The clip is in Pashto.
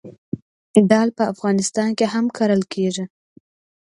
دال په افغانستان کې هم کرل کیږي.